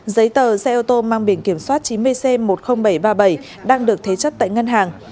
giấy tờ xe ô tô mang biển kiểm soát chín mươi c một mươi nghìn bảy trăm ba mươi bảy đang được thế chấp tại ngân hàng